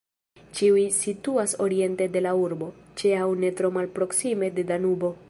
Ĉiuj situas oriente de la urbo, ĉe aŭ ne tro malproksime de Danubo.